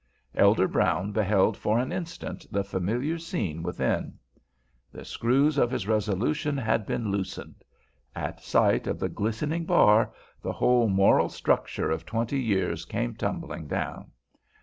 Elder Brown beheld for an instant the familiar scene within. The screws of his resolution had been loosened. At sight of the glistening bar the whole moral structure of twenty years came tumbling down.